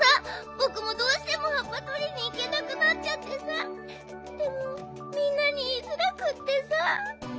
ぼくもどうしてもはっぱとりにいけなくなっちゃってさでもみんなにいいづらくってさ。